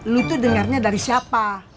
lu tuh dengarnya dari siapa